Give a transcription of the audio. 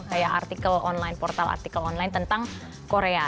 kayak artikel online portal artikel online tentang korea